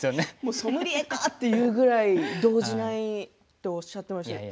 ソムリエかというぐらい動じないとおっしゃってましたけれども。